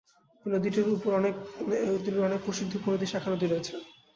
এ নদীটির অনেক প্রসিদ্ধ উপনদী, শাখা নদী রয়েছে।